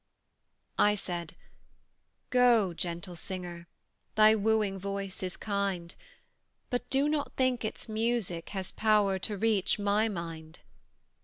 I said, "Go, gentle singer, Thy wooing voice is kind: But do not think its music Has power to reach my mind.